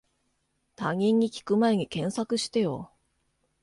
他人に聞くまえに検索してよ